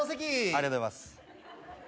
ありがとうございます。